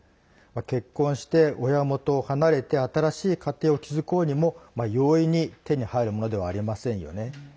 結婚して、親元を離れて新しい家庭を築こうにも容易に手に入るものではありませんよね。